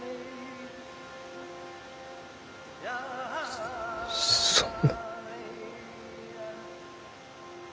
そそんな。